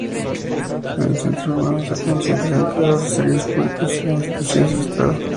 En el centro urbano se concentran empleados de servicios públicos e instituciones del estado.